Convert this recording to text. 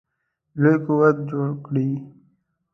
لوی قوت جوړ کړي.